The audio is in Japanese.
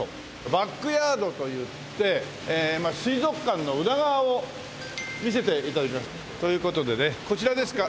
バックヤードといって水族館の裏側を見せて頂きます。という事でねこちらですか？